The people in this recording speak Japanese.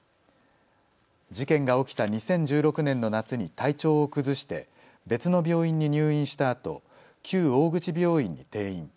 事件が起きた２０１６年の夏に体調を崩して別の病院に入院したあと旧大口病院に転院。